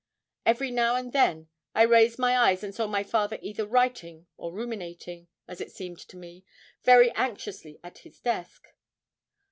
Every now and then I raised my eyes and saw my father either writing or ruminating, as it seemed to me, very anxiously at his desk.